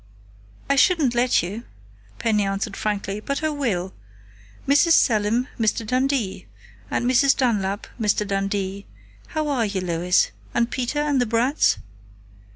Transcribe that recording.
"I shouldn't let you," Penny answered frankly, "but I will.... Mrs. Selim, Mr. Dundee.... And Mrs. Dunlap, Mr. Dundee.... How are you, Lois? And Peter and the brats?"